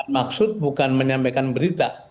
maksud bukan menyampaikan berita